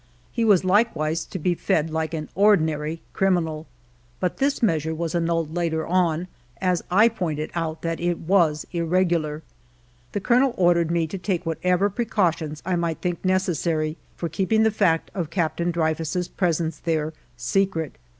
He was likewise to be fed like an ordinary criminal ; but this measure was annulled later on, as I pointed out that it was irregular. The Colonel ordered me to take whatever precautions I might think necessary for keeping the fact of Captain Dreyfus* presence there secret.